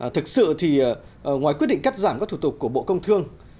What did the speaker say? thực sự thì ngoài quyết định cắt giảm các thủ tục của bộ công thương